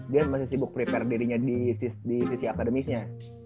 dia masih sibuk prepare dirinya di sisi akademisnya